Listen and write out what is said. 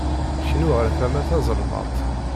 Knu ɣer tama tazelmaḍt.